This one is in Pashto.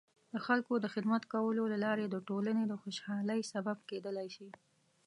د خلکو د خدمت کولو له لارې د ټولنې د خوشحالۍ سبب کیدلای شي.